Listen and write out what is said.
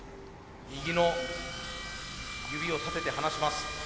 右の指を立てて離します。